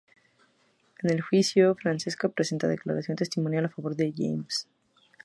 En el juicio, Francesca presta declaración testimonial a favor de James.